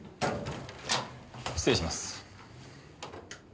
失礼します。